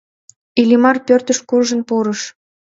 Иллимар пӧртыш куржын пурыш.